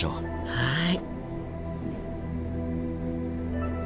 はい。